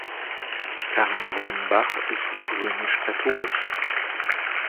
Karl Rombach ist römisch-katholisch.